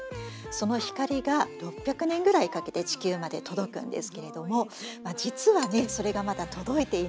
その光が６００年ぐらいかけて地球まで届くんですけれども実はそれがまだ届いていないだけかもしれないっていうね